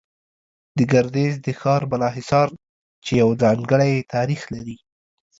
د ګردېز د ښار بالا حصار، چې يو ځانگړى تاريخ لري